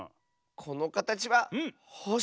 このかたちはほし。